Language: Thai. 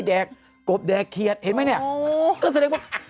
ไม่ได้แก๊กกบแดกเคียดเห็นไหมนี่ก็เสด็จว่า